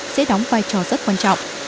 sẽ đóng vai trò rất quan trọng